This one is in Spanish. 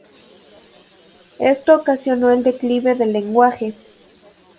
Esto ocasionó el declive del lenguaje.